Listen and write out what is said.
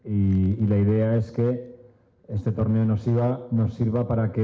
ide kami adalah untuk menjadikan peristiwa ini